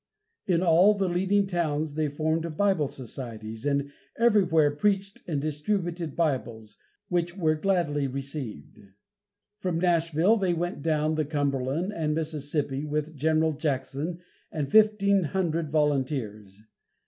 In all the leading towns they formed Bible societies, and everywhere preached and distributed Bibles, which were gladly received. From Nashville they went down the Cumberland and Mississippi with General Jackson and fifteen hundred volunteers.